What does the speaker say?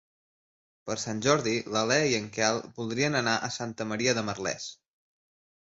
Per Sant Jordi na Lea i en Quel voldrien anar a Santa Maria de Merlès.